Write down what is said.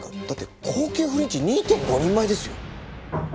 だって高級フレンチ２．５人前ですよ。